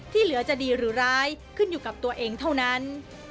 เหลือจะดีหรือร้ายขึ้นอยู่กับตัวเองเท่านั้น